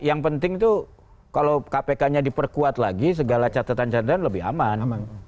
yang penting tuh kalau kpknya diperkuat lagi segala catatan catatan lebih aman